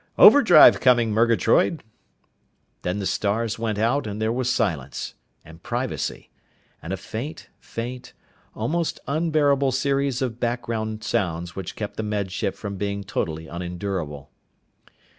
"Overdrive coming, Murgatroyd!" Then the stars went out and there was silence, and privacy, and a faint, faint, almost unbearable series of background sounds which kept the Med Ship from being totally unendurable.